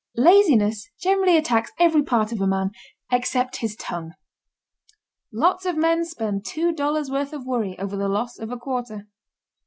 Laziness generally attacks every part of a man except his tongue. Lots of men spend two dollars' worth of worry over the loss of a quarter.